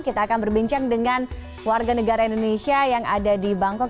kita akan berbincang dengan warga negara indonesia yang ada di bangkok